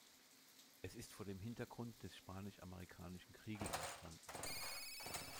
Es ist vor dem Hintergrund des Spanisch-Amerikanischen Krieges entstanden.